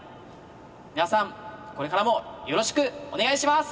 皆さんこれからもよろしくお願いします」。